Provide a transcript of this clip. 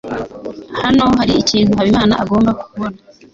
Hano hari ikintu Habimana agomba kubona.